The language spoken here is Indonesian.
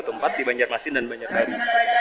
ada dua tempat di banjarmasin dan banyak lagi